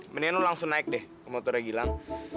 mendingan lo langsung naik deh ke motornya gilang